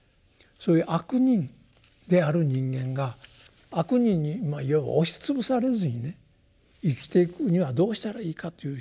そういう「悪人」である人間が「悪人」に要は押し潰されずにね生きていくにはどうしたらいいかという。